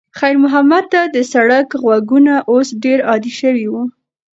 خیر محمد ته د سړک غږونه اوس ډېر عادي شوي وو.